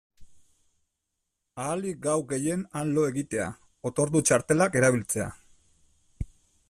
Ahalik gau gehien han lo egitea, otordu-txartelak erabiltzea...